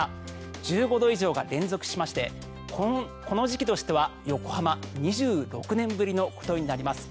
１５度以上が連続しましてこの時期としては横浜２６年ぶりのことになります。